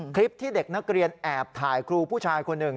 คลิปที่เด็กนักเรียนแอบถ่ายครูผู้ชายคนหนึ่ง